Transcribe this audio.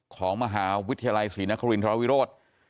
ของมหาวิทยาลัยศรีนครินทรวิโรธ